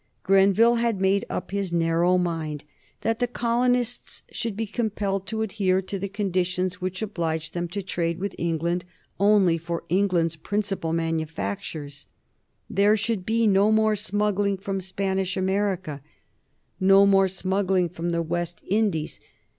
Grenville had made up his narrow mind that the colonies should be compelled to adhere to the conditions which obliged them to trade with England only for England's principal manufactures. There should be no more smuggling from Spanish America, no more smuggling from the West Indies.